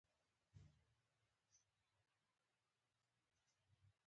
بیرته خپل پخواني ځای ته راغلو.